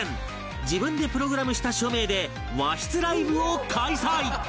自分でプログラムした照明で和室ライブを開催！